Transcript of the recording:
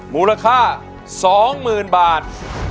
มูลค่า๒๐๐๐๐บาท